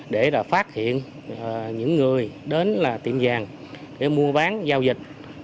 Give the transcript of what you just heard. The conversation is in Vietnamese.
để phát hiện những người đến là tiệm vàng để mua bán giao dịch